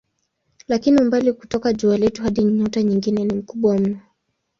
Lakini umbali kutoka jua letu hadi nyota nyingine ni mkubwa mno.